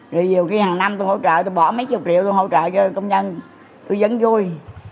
thì nhiều khi hàng năm tôi hỗ trợ tôi bỏ mấy chục triệu tôi hỗ trợ cho công nhân tôi vẫn vui